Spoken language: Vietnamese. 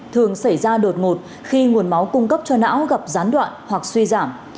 thường xảy ra đột ngột khi nguồn máu cung cấp cho não gặp gián đoạn hoặc suy giảm